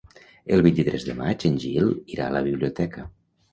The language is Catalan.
El vint-i-tres de maig en Gil irà a la biblioteca.